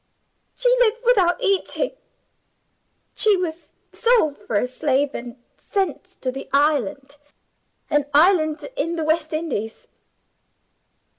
She lived without eating. She was sold for a slave, and sent to the island an island in the West Indies.